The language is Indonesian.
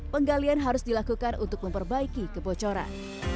penggalian harus dilakukan untuk memperbaiki kebocoran